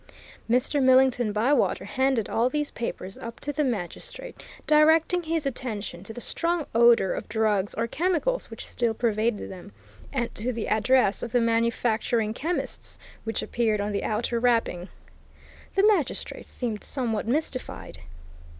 Mr. Millington Bywater handed all these papers up to the magistrate, directing his attention to the strong odour of drugs or chemicals which still pervaded them, and to the address of the manufacturing chemists which appeared on the outer wrapping. The magistrate seemed somewhat mystified.